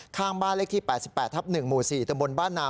ข้างบ้านเลขที่๘๘ทับ๑หมู่๔ตำบลบ้านนา